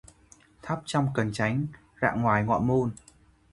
Thắp trong Cần Chánh, rạng ngoài Ngọ Môn